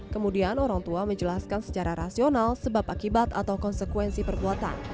kemudian orang tua menjelaskan secara rasional sebab akibat atau konsekuensi perbuatan